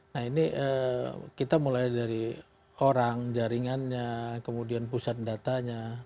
nah ini kita mulai dari orang jaringannya kemudian pusat datanya